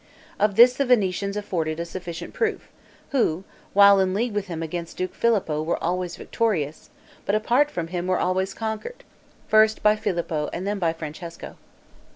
Of this the Venetians afford a sufficient proof, who, while in league with him against Duke Filippo were always victorious, but apart from him were always conquered; first by Filippo and then by Francesco.